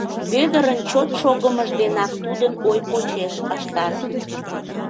Вӧдырын чот шогымыж денак тудын ой почеш ыштат.